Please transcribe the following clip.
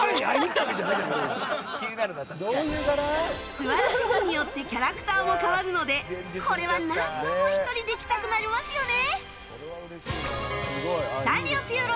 座る席によってキャラクターも変わるのでこれは何度も１人で来たくなりますよね。